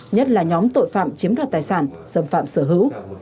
nhất là nhóm tội phạm chiếm đoạt tài sản xâm phạm sở hữu